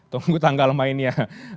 tunggu tanggal mainnya